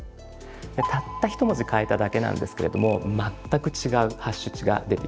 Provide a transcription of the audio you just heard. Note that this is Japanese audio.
たったひと文字変えただけなんですけれども全く違うハッシュ値が出てきます。